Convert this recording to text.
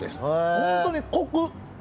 本当にコク。